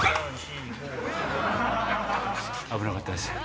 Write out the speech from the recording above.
危なかったです。